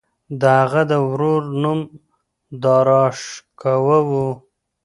د هغه د ورور نوم داراشکوه و.